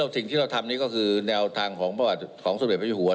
สิ่งที่เราทำนี้ก็คือแนวทางของประวัติศูนย์พระอาจารย์